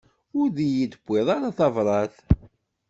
Ur yi-d-tewwiḍ ara tebrat?